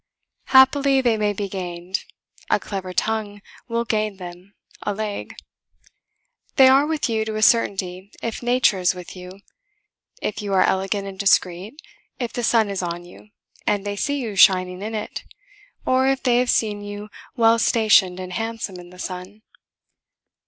Happily they may be gained: a clever tongue will gain them, a leg. They are with you to a certainty if Nature is with you; if you are elegant and discreet: if the sun is on you, and they see you shining in it; or if they have seen you well stationed and handsome in the sun.